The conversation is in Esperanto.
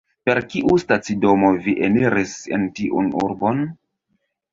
Per kiu stacidomo vi eniris en tiun urbon?